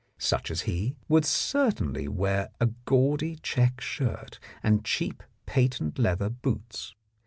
Such as he would certainly wear a gaudy check suit and cheap patent leather boots.